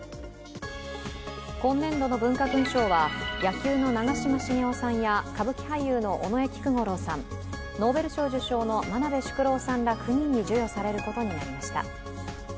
今年度の文化勲章は野球の長嶋茂雄さんや歌舞伎俳優の尾上菊五郎さんノーベル賞受賞の真鍋淑郎さんら９人に授与されることになりました。